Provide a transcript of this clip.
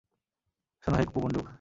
শোন হে কূপমণ্ডুক।